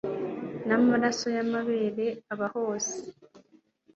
namaraso yamabere abaho se